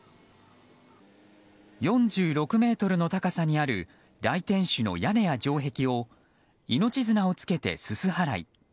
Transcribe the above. ４６ｍの高さにある大天守の屋根や城壁を命綱をつけて、すす払い。